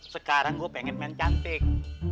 sekarang gue pengen main cantik